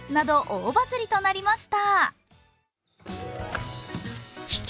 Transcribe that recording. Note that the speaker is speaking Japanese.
大バズりとなりました。